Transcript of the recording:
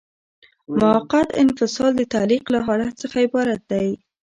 موقت انفصال د تعلیق له حالت څخه عبارت دی.